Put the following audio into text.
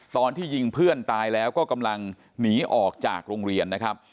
ตอนที่ยิงเพื่อนตายแล้วก็กำลังหนีออกจากโรงเรียนนะครับ